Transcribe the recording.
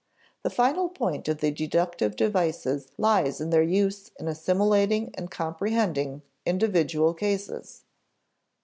The final point of the deductive devices lies in their use in assimilating and comprehending individual cases.